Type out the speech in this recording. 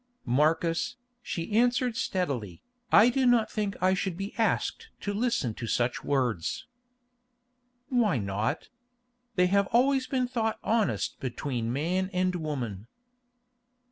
"Marcus," she answered steadily, "I do not think I should be asked to listen to such words." "Why not? They have always been thought honest between man and woman."